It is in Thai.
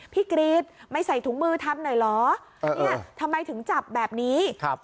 กรี๊ดไม่ใส่ถุงมือทำหน่อยเหรอเนี่ยทำไมถึงจับแบบนี้ครับ